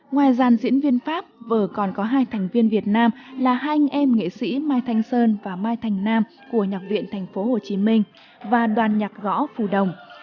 ngoài gian diễn viên pháp vừa còn có hai thành viên việt nam là hai anh em nghệ sĩ mai thanh sơn và mai thành nam của nhạc viện tp hcm và đoàn nhạc gõ phù đồng